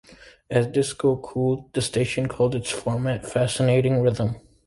As disco cooled, the station called its format Fascinatin' Rhythm.